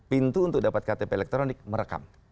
pintu untuk dapat ktp elektronik merekam